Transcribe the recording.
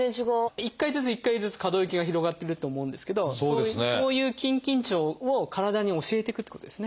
一回ずつ一回ずつ可動域が広がってると思うんですけどそういう筋緊張を体に教えていくってことですね。